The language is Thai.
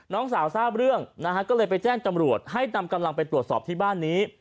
น้องสาวทราบเรื่องนะฮะก็เลยไปแจ้งตำรวจให้นำกำลังไปตรวจสอบที่บ้านนี้